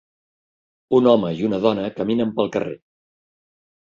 Un home i una dona caminen pel carrer.